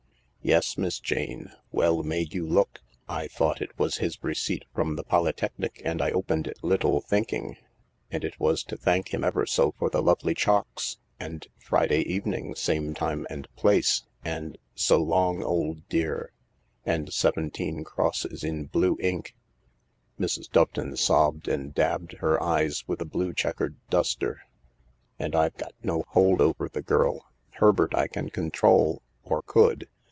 Yes, Miss Jane, well may you look I I thought it was his receipt from the Polytechnic and I opened it, little thinking. And it was to thank him ever so for the lovely chocs., and 'Friday evening, same time and place,' and 'So long, old dear,' and seventeen crosses in blue ink." Mrs. Doveton sobbed and dabbed her eyes with a blue chequered duster. "And I've got no hold over the girl. Herbert I can control, or could.